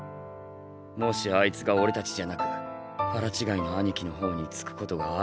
もしあいつが俺たちじゃなく腹違いの兄貴の方に付くことがあるなら。